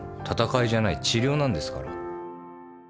「闘いじゃない治療なんですから」